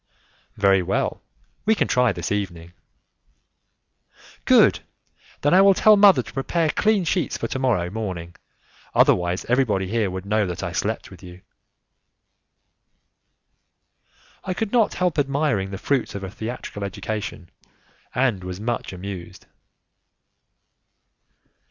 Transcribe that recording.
"Very well, we can try this evening." "Good! Then I will tell mother to prepare clean sheets for to morrow morning; otherwise everybody here would know that I slept with you." I could not help admiring the fruits of a theatrical education, and was much amused.